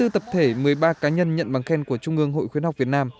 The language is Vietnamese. hai mươi bốn tập thể một mươi ba cá nhân nhận bằng khen của trung ương hội khuyến học việt nam